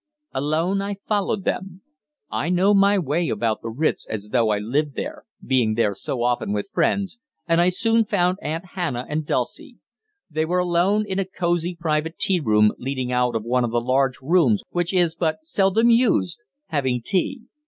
Alone I followed them. I know my way about the Ritz as though I lived there, being there so often with friends, and I soon found Aunt Hannah and Dulcie. They were alone in a cosy private tea room leading out of one of the large rooms which is but seldom used, having tea.